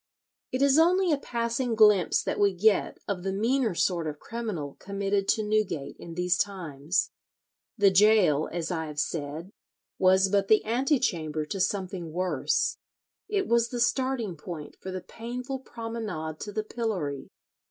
It is only a passing glimpse that we get of the meaner sort of criminal committed to Newgate in these times. The gaol, as I have said, was but the antechamber to something worse. It was the starting point for the painful promenade to the pillory.